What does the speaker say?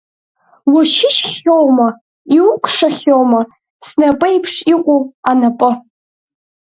Уашьышьхьоума, иукәшахьоума снапеиԥш иҟоу анапы?